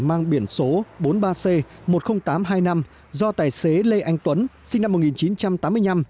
mang biển số bốn mươi ba c một mươi nghìn tám trăm hai mươi năm do tài xế lê anh tuấn sinh năm một nghìn chín trăm tám mươi năm